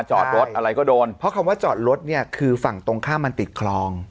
จอดรถอะไรก็โดนเพราะคำว่าจอดรถเนี่ยคือฝั่งตรงข้ามมันติดคลอง